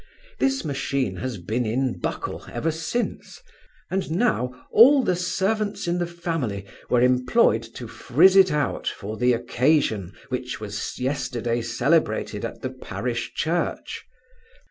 This machine had been in buckle ever since, and now all the servants in the family were employed to frizz it out for the occasion, which was yesterday celebrated at the parish church.